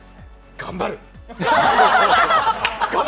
頑張る！